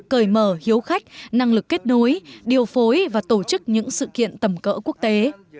cởi mở hiếu khách năng lực kết nối điều phối và tổ chức những sự kiện tầm cỡ quốc tế